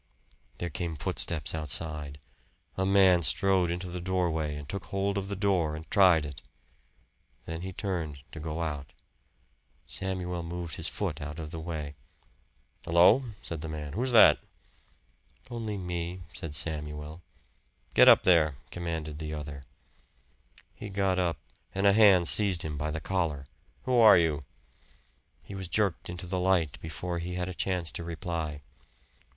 There came footsteps outside. A man strode into the doorway and took hold of the door and tried it. Then he turned to go out. Samuel moved his foot out of the way. "Hello!" said the man. "Who's that?" "Only me," said Samuel. "Get up there," commanded the other. He got up and a hand seized him by the collar. "Who are you?" He was jerked into the light before he had a chance to reply.